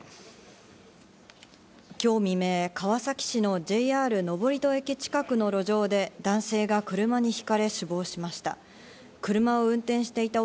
今日未明、川崎市のＪＲ登戸駅近くの路上で男性が車にひかれ死亡しました。